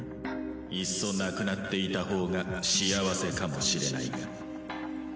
いっそなくなっていたほうが幸せかもしれないが。